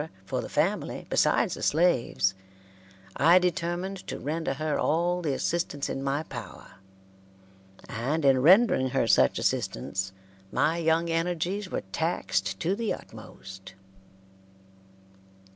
for the family, besides the slaves, I determined to render her all the assistance in my power, and in rendering her such assistance my young energies were taxed to the utmost.